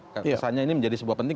kesannya ini menjadi sebuah penting